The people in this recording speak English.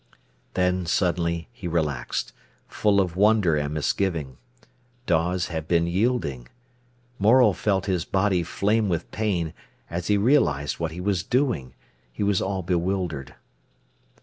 Then suddenly he relaxed, full of wonder and misgiving. Dawes had been yielding. Morel felt his body flame with pain, as he realised what he was doing; he was all bewildered.